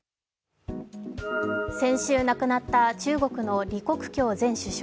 先週亡くなった中国の李克強前首相。